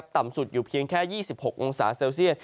ต่ำสุดอยู่เพียงแค่๒๖องศาเซลเซียต